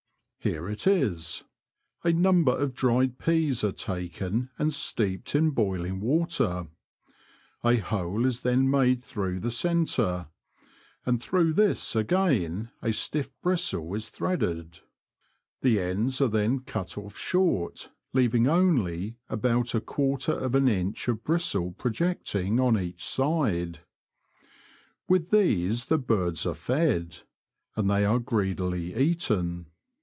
Here it is : A number of dried peas are taken and steeped in boiling water ; a hole is then made through the centre, and through this again a stiff bristle is threaded. The ends are then cut off short, leaving only about a quarter of an inch of bristle projecting on each side. With these the birds are fed, and they are greedily eaten.